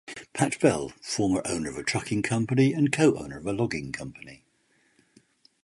Pat Bell, former owner of a trucking company and co-owner of a logging company.